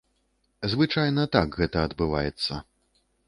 Звычайна так гэта адбываецца.